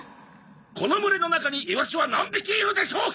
「この群れの中にイワシは何匹いるでしょうか？」